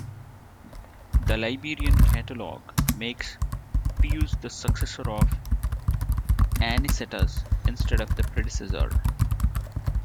The "Liberian Catalogue" makes Pius the successor of Anicetus instead of the predecessor.